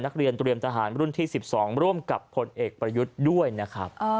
เตรียมทหารรุ่นที่๑๒ร่วมกับผลเอกประยุทธ์ด้วยนะครับ